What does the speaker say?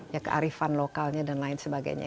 ya kearifan lokalnya dan lain sebagainya